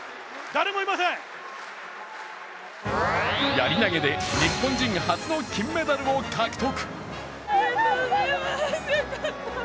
やり投で日本人初の金メダルを獲得。